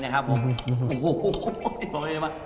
อู้หูหูยบจริงออก้ยไหม